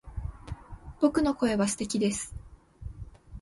僕の声は素敵です